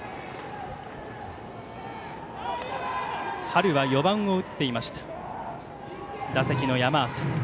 春は４番を打っていました打席の山浅。